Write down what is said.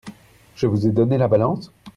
Je vous ai donné la balance ?